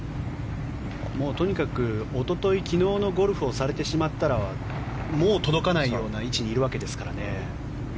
とにかくおととい、昨日のゴルフをされてしまったらもう届かないような位置にいるわけですからね。